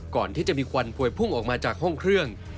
ก่อนที่จะมีควันพวยพุ่งออกมาจากห้องเครื่อง